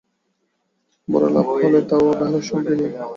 বড় লাভ হলে তাও অবহেলার সঙ্গে নিই।